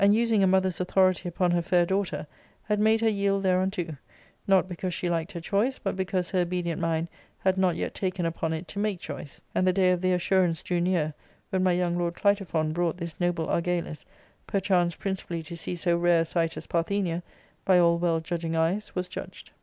— Book L 27 using a mother's authority upon her fair daughter, had made her yield thereunto, not because she liked her choice, but because her obedient mind had not yet taken upon it to make choice ; and the day of their assurance drew near when my young lord Clitophon brought this noble Argalus, perchance principally to see so rare a sight as Parthenia^ by all well judging eyes was judged.